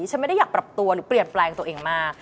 ฉันไม่ได้อยากปรับตัวหรือเปลี่ยนแปลงตัวเองมาก